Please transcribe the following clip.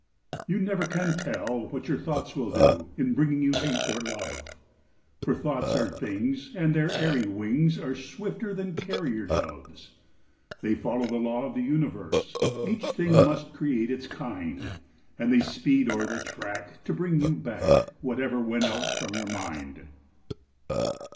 You never can tell what your thoughts will do, In bringing you hate or love; For thoughts are things, and their airy wings Are swifter than carrier doves. They follow the law of the universe— Each thing must create its kind; And they speed o'er the track to bring you back Whatever went out from your mind.